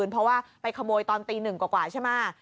เพราะว่าไปขโมยตอนตีหนึ่งกว่าใช่ไหม